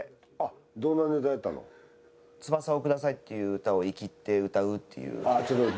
『翼をください』っていう歌をイキって歌うっていう。